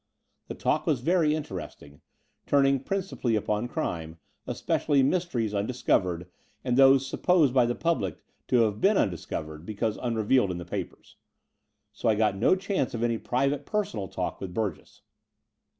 The talk was very interesting, turning principally upon crime, especially mysteries un discovered and those supposed by the public to have been undiscovered because unrevealed in the papers. So I got no chance of any private personal talk with Burgess.